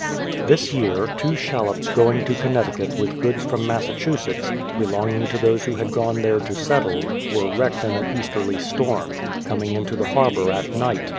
This year, two shallops going to Connecticut with goods from Massachusetts, belonging to those who had gone there to settle, were wrecked in an easterly storm, coming into the harbour at night.